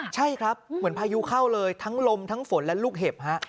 ใช่ครับเหมือนพายุเข้าเลยทั้งลมทั้งฝนและลูกเห็บฮะ